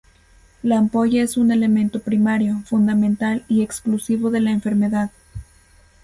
La ampolla es un elemento primario, fundamental y exclusivo de la enfermedad.